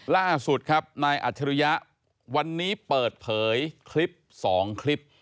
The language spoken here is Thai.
ล่าสุดครับนายอัจฉริยะวันนี้เปิดเผยคลิป๒คลิป